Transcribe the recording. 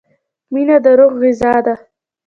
مینه د روح غذا ده.